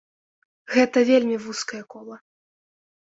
Гэта вельмі вузкае кола.